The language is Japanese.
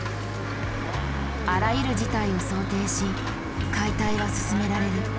あらゆる事態を想定し解体は進められる。